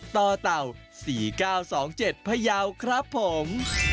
ต่อเต่า๔๙๒๗พยาวครับผม